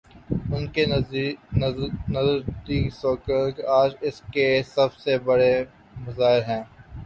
ان کے نزدیک سیکولرازم، آج اس کا سب سے بڑا مظہر ہے۔